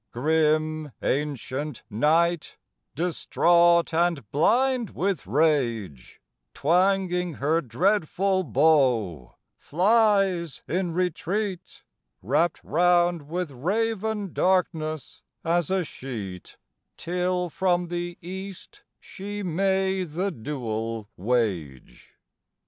Grim ancient Night, distraught and blind with rage, Twanging her dreadful bow, flies in retreat, Wrapt round with raven darkness as a sheet, Till from the east she may the duel wage.